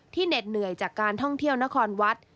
เหน็ดเหนื่อยจากการท่องเที่ยวนครวัด